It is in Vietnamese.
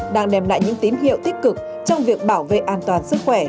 đang đem lại những tín hiệu tích cực trong việc bảo vệ an toàn sức khỏe